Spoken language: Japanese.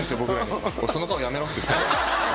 その顔やめろって言って。